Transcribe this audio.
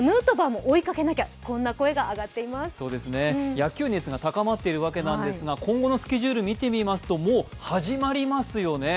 野球熱が高まっているわけなんですが、今後のスケジュール見てみますと、もう始まりますよね。